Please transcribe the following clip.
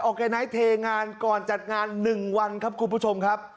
ออกแกน้อยเทงานก่อนจัดงานหนึ่งวันครับคุณผู้ชมครับ